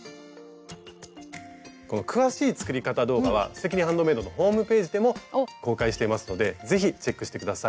詳しい作り方動画は「すてきにハンドメイド」のホームページでも公開していますので是非チェックして下さい。